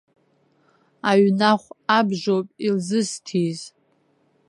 Аҩнахә абжоуп илзысҭиз.